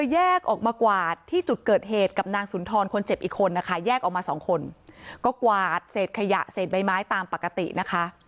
แยกออกมากวาดที่จุดเกิดเหตุกับนางสุนทรคนเจ็บอีกคนนะคะแยกออกมาสองคนก็กวาดเศษขยะเศษใบไม้ตามปกตินะคะ